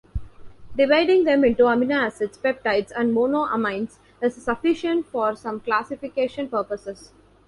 Dividing them into amino acids, peptides, and monoamines is sufficient for some classification purposes.